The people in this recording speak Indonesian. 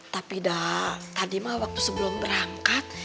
tapi tadi mah waktu sebelum berangkat